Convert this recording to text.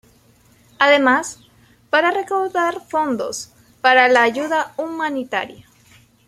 Además, para recaudar fondos para la ayuda humanitaria.